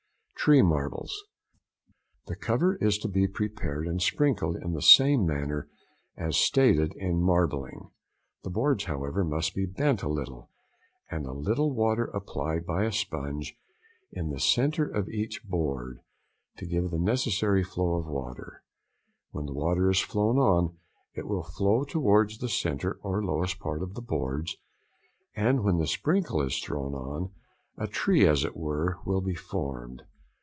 Tree marbles.—The cover is to be prepared and sprinkled in the same manner as stated in marbling; the boards, however, must be bent a little, and a little water applied by a sponge in the centre of each board to give the necessary flow of water; when the water is thrown on, it will flow towards the centre or lowest part of the boards, and when the sprinkle is thrown on, a tree, as it were, will be |106| formed.